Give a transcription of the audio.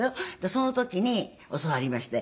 その時に教わりまして。